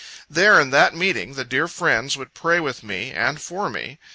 There, in that meeting, the dear friends would pray with me and for me.